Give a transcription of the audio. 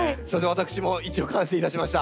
私も一応完成いたしました。